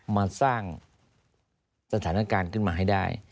มาสร้างสถานการณ์ขึ้นมาให้ได้